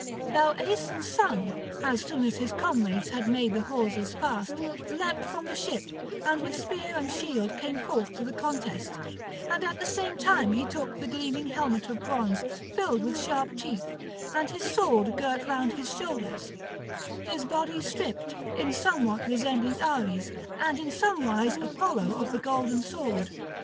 Now Aeson's son, as soon as his comrades had made the hawsers fast, leapt from the ship, and with spear and shield came forth to the contest; and at the same time he took the gleaming helmet of bronze filled with sharp teeth, and his sword girt round his shoulders, his body stripped, in somewise resembling Ares and in somewise Apollo of the golden sword.